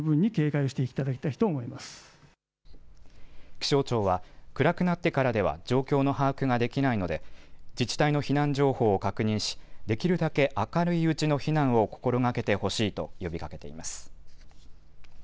気象庁は暗くなってからでは状況の把握ができないので自治体の避難情報を確認しできるだけ明るいうちの避難を心がけてほしいと呼びかけています。